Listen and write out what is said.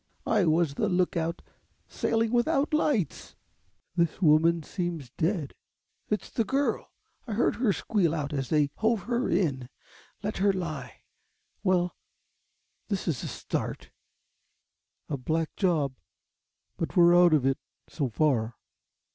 I was the lookout. Sailing without lights." "This woman seems dead." "It's the girl. I heard her squeal out as they hove her in. Let her lie. Well, this is a start." "A black job, but we're out of it, so far."